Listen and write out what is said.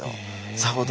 さほど。